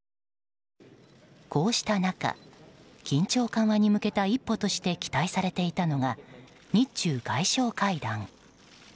こうした中、緊張緩和に向けた一歩として期待されていたのが日中外相会談。